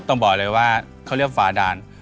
ต้องบอกเลยว่าเขาเรียกฝาด่าน